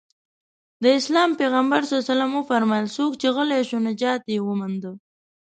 د اسلام پيغمبر ص وفرمايل څوک چې غلی شو نجات يې ومونده.